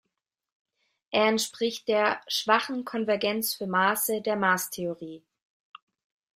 Er entspricht der "schwachen Konvergenz für Maße" der Maßtheorie.